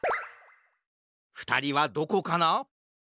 ふたりはどこかな？